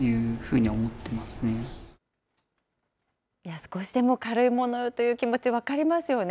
少しでも軽いものをという気持ち、分かりますよね。